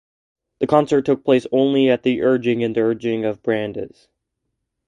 The concert took place only at the urging and urging of Brandes.